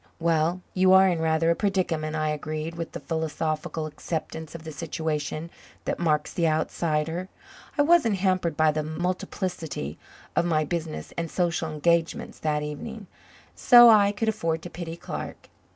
"Well, you are in rather a predicament," I agreed, with the philosophical acceptance of the situation that marks the outsider. I wasn't hampered by the multiplicity of my business and social engagements that evening, so I could afford to pity Clark.